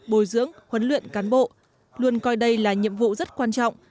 bồi dưỡng huấn luyện cán bộ luôn coi đây là nhiệm vụ rất quan trọng